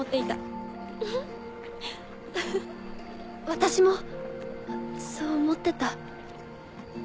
私もそう思ってた。